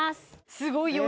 すごいよ！